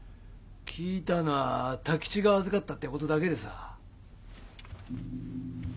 聞いたのは太吉が預かったってことだけでさ。